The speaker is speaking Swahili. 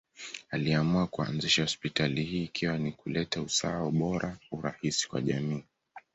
Aliamua kuanzisha hospitali hii ikiwa ni kuleta usawa, ubora, urahisi kwa jamii.